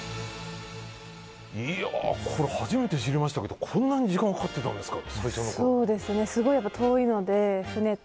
いや、これ初めて知りましたけどこんなに時間がかかってたんですか。